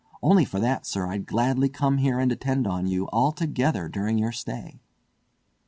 Only for that, sir, I'd gladly come here and attend on you altogether during your stay."